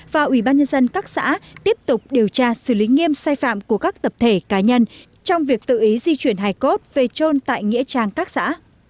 và ubnd các xã tiếp tục điều tra xử lý nghiêm sai phạm của các tập thể cá nhân trong việc tự ý di chuyển hải cốt về trôn tại nghĩa trang các xã